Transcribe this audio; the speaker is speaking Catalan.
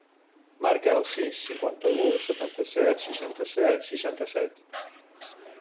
Marca el sis, cinquanta-u, setanta-set, seixanta-set, seixanta-set.